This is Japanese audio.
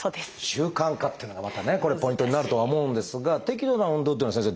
習慣化っていうのがまたねこれポイントになるとは思うんですが適度な運動というのは先生